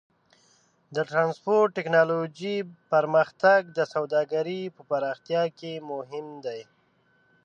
د ټرانسپورټ ټیکنالوجۍ پرمختګ د سوداګرۍ په پراختیا کې مهم دی.